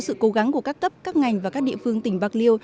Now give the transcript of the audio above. sự cố gắng của các cấp các ngành và các địa phương tỉnh bạc liêu